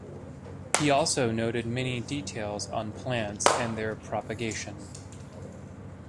He also noted many details on plants and their propagation.